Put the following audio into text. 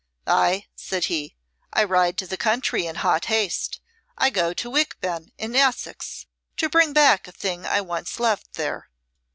"Ay," said he, "I ride to the country in hot haste. I go to Wickben in Essex, to bring back a thing I once left there."